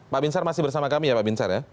pak bincar masih bersama kami ya pak bincar ya